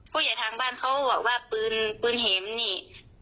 ผู้ใหญ่ทางบ้านเขาบอกว่าปืนปืนเห็มนี่